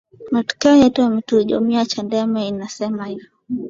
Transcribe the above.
matokeo yetu yamehujumia chadema inasema hivo